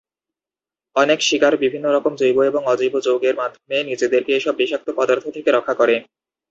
অনেক শিকার বিভিন্ন রকম জৈব এবং অজৈব যৌগের মাধ্যমে নিজেদেরকে এসব বিষাক্ত পদার্থ থেকে রক্ষা করে।